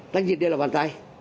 tại vì đây là bàn tay